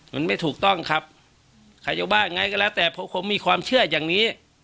มันไม่ถูกต้องครับใครจะว่าไงก็แล้วแต่เพราะผมมีความเชื่ออย่างนี้